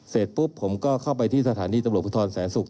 เสร็จปุ๊บผมก็เข้าไปที่สถานีตำรวจภูทรแสนศุกร์